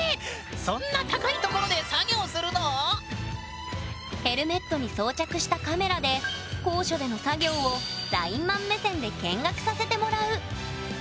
そんな高いところで作業するの⁉ヘルメットに装着したカメラで高所での作業をラインマン目線で見学させてもらう！